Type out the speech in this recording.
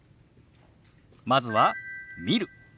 まずは「見る」。